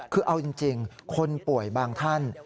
คือเอาจริงคนป่วยบางท่าน